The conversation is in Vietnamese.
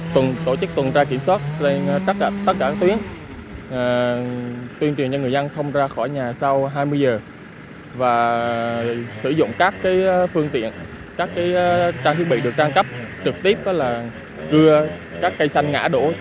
tổ chức tuần tra kiểm soát trên tất cả các tuyến